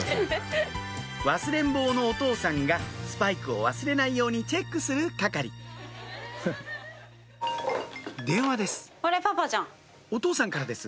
忘れん坊のお父さんがスパイクを忘れないようにチェックする係電話ですお父さんからです